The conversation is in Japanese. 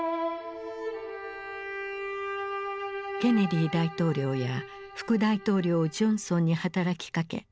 ケネディ大統領や副大統領ジョンソンに働きかけ